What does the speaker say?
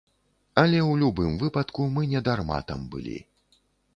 Але ў любым выпадку, мы не дарма там былі.